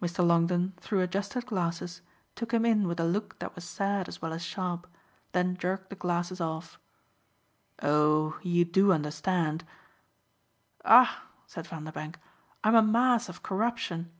Mr. Longdon, through adjusted glasses, took him in with a look that was sad as well as sharp, then jerked the glasses off. "Oh you do understand." "Ah," said Vanderbank, "I'm a mass of corruption!"